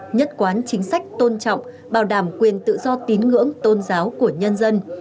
nhất quán chính sách tôn trọng bảo đảm quyền tự do tín ngưỡng tôn giáo của nhân dân